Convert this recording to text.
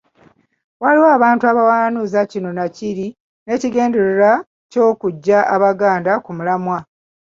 Waliwo abantu abawanuuza kino nakiri n'ekigendererwa ky'okuggya Abaganda ku mulamwa .